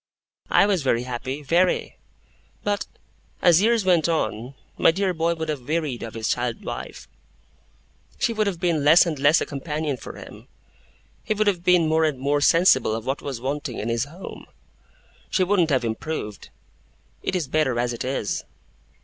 'I was very happy, very. But, as years went on, my dear boy would have wearied of his child wife. She would have been less and less a companion for him. He would have been more and more sensible of what was wanting in his home. She wouldn't have improved. It is better as it is.